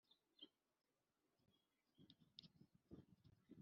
yansabye uruhushya rwo gukoresha terefone.